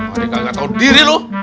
adik ga tau diri lu